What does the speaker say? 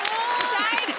最高！